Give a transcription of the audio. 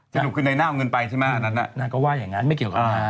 สรุปคือในหน้าเอาเงินไปใช่ไหมอันนั้นน่ะนางก็ว่าอย่างนั้นไม่เกี่ยวกับนาง